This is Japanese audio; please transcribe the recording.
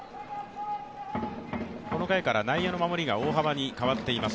この回から内野の守りが大幅に変わっています